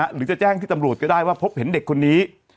หรือจะแจ้งที่ตำรวจก็ได้ว่าพบเห็นเด็กคนนี้